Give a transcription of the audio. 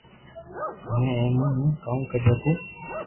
ھمي اي مي ھون ڪاو ڪري ھگو